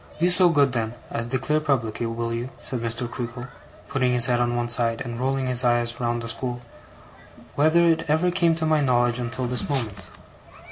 'Be so good then as declare publicly, will you,' said Mr. Creakle, putting his head on one side, and rolling his eyes round the school, 'whether it ever came to my knowledge until this moment?